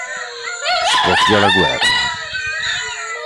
Scoppia la guerra.